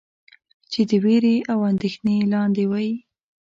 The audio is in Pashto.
چې د وېرې او اندېښنې لاندې وئ.